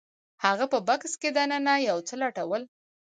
هغه په بکس کې دننه یو څه لټول